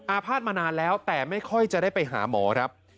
อาภาษณ์มานานแล้วแต่ไม่ค่อยจะได้ไปหาหมอครับ